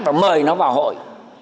và mời nó vào hội